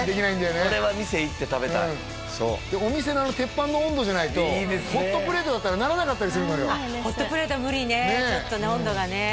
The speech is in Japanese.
これは店行って食べたいお店のあの鉄板の温度じゃないとホットプレートだったらならなかったりするのよホットプレートは無理ね温度がね